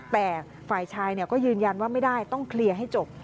แต่ฝ่ายชายก็ยืนยันว่าไม่ได้ต้องเคลียร์ให้จบ